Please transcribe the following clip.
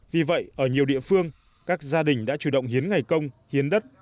vì vậy ở nhiều địa phương các gia đình đã chủ động hiến ngày công hiến đất